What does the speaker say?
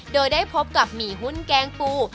โดยได้พบกับหมี่หุ้นแกงปู